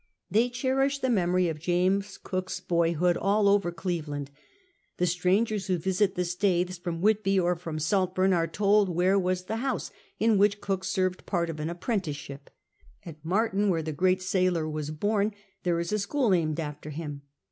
They cherish the memory of James Cook's boyhood all over Cleveland. The strangers who visit the Staithes from AVhitby or from Saltbuni are toM where was the house in which Cook served jiart of an apprenticeship. At Marton, where the great sailor was born, there is a school named after him.